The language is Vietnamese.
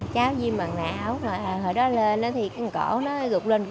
cháu duyên bằng nạ áo hồi đó lên thì con cổ nó gục bằng nạ áo